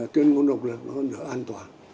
tuyên ngôn độc lập